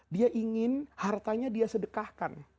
dia ingin hartanya dia sedekahkan